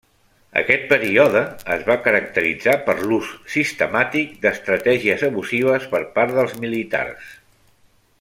Aquest període es va caracteritzar per l'ús sistemàtic d'estratègies abusives per part dels militars.